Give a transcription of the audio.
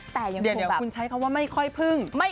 เดี๋ยวคุณใช้คำว่าไม่ค่อยพึ่ง